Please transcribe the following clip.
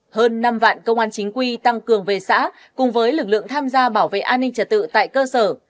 hơn năm vạn công an chính quy tăng cường về xã cùng với lực lượng tham gia bảo vệ an ninh trật tự tại cơ sở